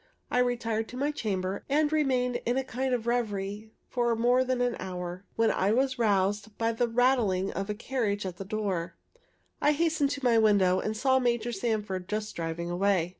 I retired to my chamber, and remained in a kind of revery for more than an hour, when I was roused by the rattling of a carriage at the door. I hastened to the window, and saw Major Sanford just driving away.